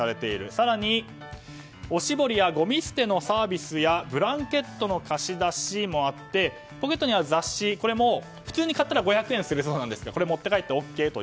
更に、おしぼりやごみ捨てのサービスやブランケットの貸し出しもあってポケットにある雑誌も普通に買ったら５００円するそうですが持って帰ってもＯＫと。